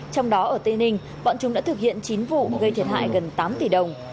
trong đó ở tây ninh bọn chúng đã thực hiện chín vụ gây thiệt hại gần tám tỷ đồng